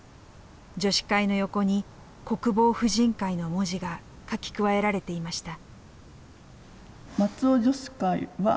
女子会の横に「国防婦人会」の文字が書き加えられていました。